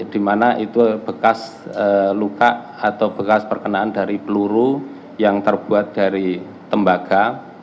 di mana itu bekas luka atau bekas perkenaan dari peluru yang terbuat dari tembaga